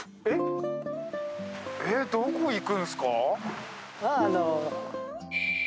えっどこ行くんですか？